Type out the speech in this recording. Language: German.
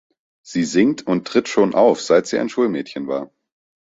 Sie singt und tritt schon auf, seit sie ein Schulmädchen war.